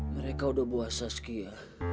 mereka udah buah saskia